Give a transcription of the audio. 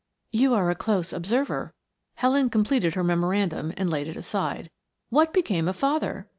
"You are a close observer." Helen completed her memorandum and laid it aside. "What became of father?"